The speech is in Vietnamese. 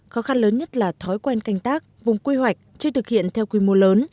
khó khăn lớn nhất là thói quen canh tác vùng quy hoạch chưa thực hiện theo quy mô lớn